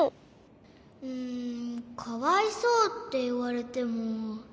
うんかわいそうっていわれても。